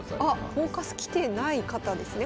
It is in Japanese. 「フォーカス」来てない方ですね